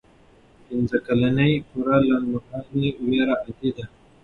پنځه کلنۍ پورې لنډمهاله ویره عادي ده.